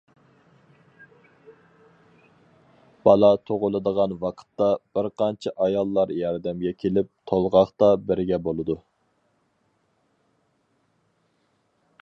بالا تۇغۇلىدىغان ۋاقىتتا، بىرقانچە ئاياللار ياردەمگە كېلىپ تولغاقتا بىرگە بولىدۇ.